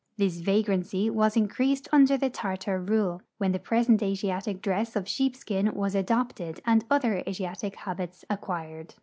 This vagrancy was in creased under the Tartar rule, when the ])resent Asiatic dress of sheei)skin was adoi>ted and other Asiatic habits accpiired.